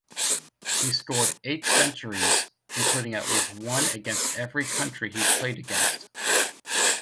He scored eight centuries, including at least one against every country he played against.